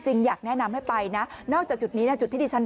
ตุนตุนตุนตุนตุนตุนตุน